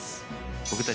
僕たち